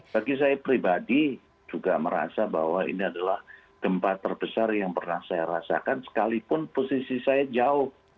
bagi saya pribadi juga merasa bahwa ini adalah gempa terbesar yang pernah saya rasakan sekalipun posisi saya jauh